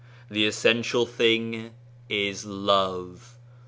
. the essential thing is love